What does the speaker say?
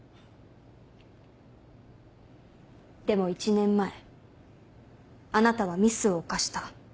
でも１年前あなたはミスを犯した。